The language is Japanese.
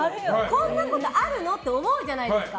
こんなことあるの？と思うじゃないですか。